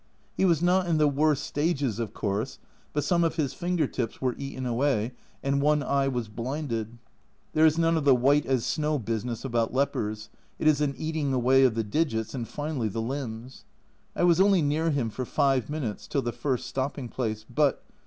He was not in the worst stages, of course, but some of his finger tips were eaten away and one eye was blinded there is none of the "white as snow" business about lepers, it is an eating away of the digits, and finally the limbs. I was only near him for five minutes, till the first stopping place but